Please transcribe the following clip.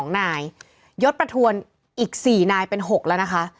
๒นายยศประทวนอีก๔นายเป็น๖แล้วนะคะ